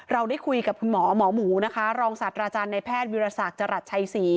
เราได้คุยกับคุณหมอหมอหมูนะคะรองศาสตราจารย์ในแพทย์วิรสักจรัสชัยศรี